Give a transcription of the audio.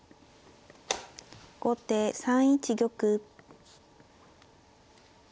後手３一玉。